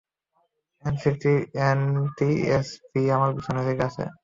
NTSB আমার পেছনে লেগে আছে।